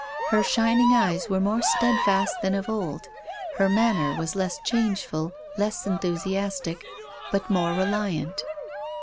Her shining eyes were more steadfast than of old, her manner was less changeful, less enthu siastic, but more reliant.